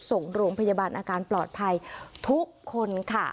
ส่งโรงพยาบาลอาการปลอดภัยทุกคนค่ะ